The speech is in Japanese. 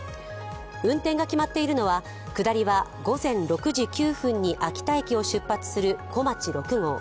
運転が決まっているのは、下りは午前６時９分に秋田駅を出発するこまち６号。